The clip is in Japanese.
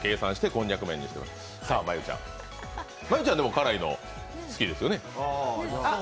真悠ちゃん、辛いの好きですよね？